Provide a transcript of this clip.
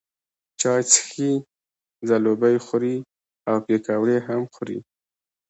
چای څښي، ځلوبۍ خوري او پیکوړې هم خوري.